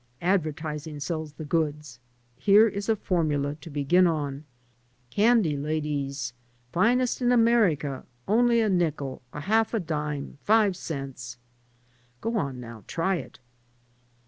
Advertising sells the goods. Here I is a formula to begin on: * Candy, ladies! Finest in America. Only a nickel, a half a dime, five cents/ Go on, now; try it."